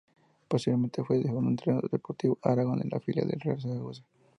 Posteriormente fue segundo entrenador del Deportivo Aragón, filial del Real Zaragoza.